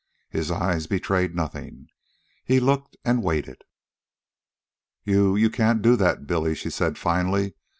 His eyes betrayed nothing. He looked and waited. "You... you can't do that, Billy," she said finally.